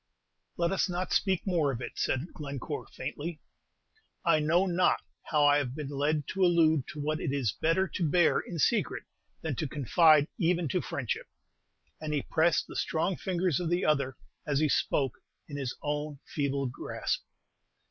"Let us not speak more of it," said Glencore, faintly. "I know not how I have been led to allude to what it is better to bear in secret than to confide even to friendship;" and he pressed the strong fingers of the other as he spoke, in his own feeble grasp.